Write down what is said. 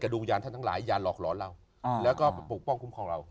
ดวงวิญญาณท่านทั้งหลายอย่าหลอกหลอนเราแล้วก็ปกป้องคุ้มครองเรา